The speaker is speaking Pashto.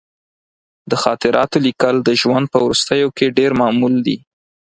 د خاطراتو لیکل د ژوند په وروستیو کې ډېر معمول دي.